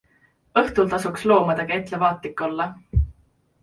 Õhtul tasuks loomadega ettevaatlik olla.